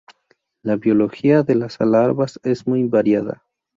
La biología de las larvas es muy variada.